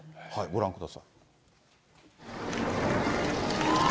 ご覧ください。